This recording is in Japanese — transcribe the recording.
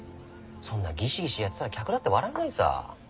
そんなぎしぎしやってたら客だって笑えないさ。